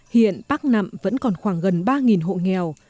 hiện bắc nạm vẫn còn khoảng gần ba hộ nghèo